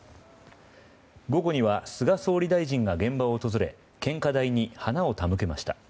午後には菅総理大臣が現場を訪れ献花台に花を手向けました。